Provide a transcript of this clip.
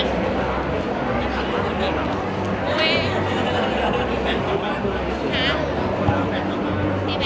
ขอบคุณภาษาให้ด้วยเนี่ย